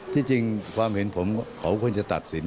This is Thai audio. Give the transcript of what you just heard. ที่จริงความเห็นผมเขาควรจะตัดสิน